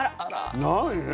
何？